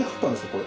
これ。